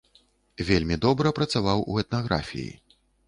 Вельмі добра працаваў у этнаграфіі.